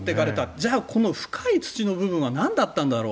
じゃあこの深い土の部分はなんだったんだろう。